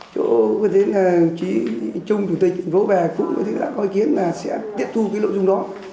chỗ có thể là chí trung chủ tịch chủ tịch vũ bè cũng có thể là có ý kiến là sẽ tiếp thu cái lộ dung đó